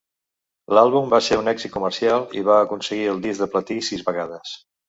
L'àlbum va ser un èxit comercial, i va aconseguir el disc de platí sis vegades.